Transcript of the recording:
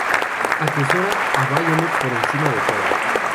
Atesora a Violet por encima de todo.